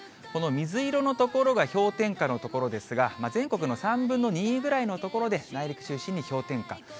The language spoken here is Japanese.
この水色の所が氷点下の所ですが、全国の３分の２ぐらいの所で、内陸中心に氷点下。